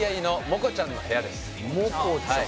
モコちゃん